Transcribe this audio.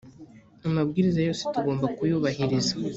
amabwiriza yose tugomba kuyubahiriza.